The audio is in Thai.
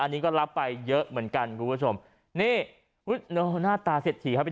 อันนี้ก็รับไปเยอะเหมือนกันคุณผู้ชมนี่โอ้โหหน้าตาเศรษฐีเขาเป็น